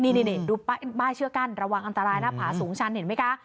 นี่ดูป้ายเชือกกั้นระวังอันตรายนะผาสูงชั้นเห็นไหมคะ